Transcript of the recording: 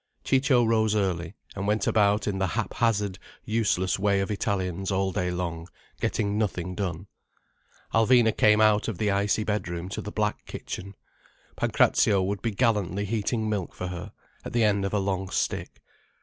Ciccio rose early, and went about in the hap hazard, useless way of Italians all day long, getting nothing done. Alvina came out of the icy bedroom to the black kitchen. Pancrazio would be gallantly heating milk for her, at the end of a long stick.